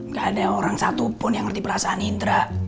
gak ada orang satupun yang ngerti perasaan indra